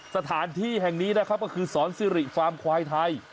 สถานที่แห่งนี้ก็คือสรสิริฟาร์มควายไทย